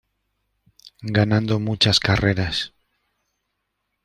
Ganando muchas carreras.